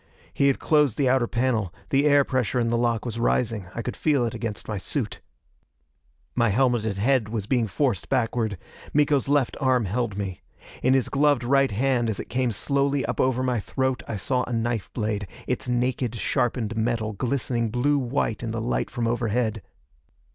He had closed the outer panel; the air pressure in the lock was rising. I could feel it against my suit. My helmeted head was being forced backward; Miko's left arm held me. In his gloved right hand as it came slowly up over my throat I saw a knife blade, its naked, sharpened metal glistening blue white in the light from overhead.